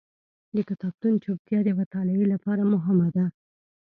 د کتابتون چوپتیا د مطالعې لپاره مهمه ده.